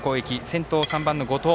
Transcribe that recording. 先頭３番の後藤。